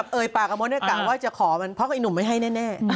บาปกรรมต้อยเลยหมดฝากว่าจะขอมันเพราะก็ไอ้หนูไม่ให้แน่แน่